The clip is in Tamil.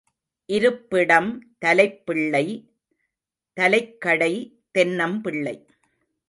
இருப்பிடம் தலைப்பிள்ளை தலைக்கடை தென்னம் பிள்ளை.